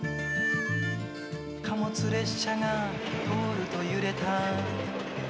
「貨物列車が通ると揺れた」